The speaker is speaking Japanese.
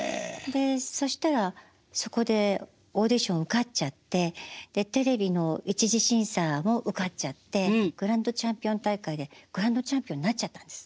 でそしたらそこでオーディション受かっちゃってテレビの一次審査も受かっちゃってグランドチャンピオン大会でグランドチャンピオンになっちゃったんです。